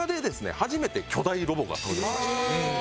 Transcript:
初めて巨大ロボが登場しました。